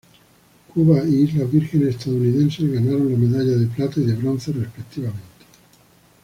Cuba y Islas Vírgenes Estadounidenses ganaron la medalla de plata y de bronce, respectivamente.